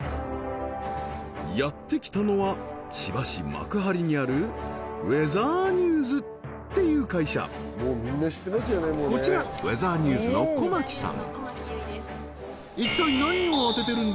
やって来たのは千葉市幕張にあるウェザーニューズっていう会社こちらウェザーニューズの駒木さん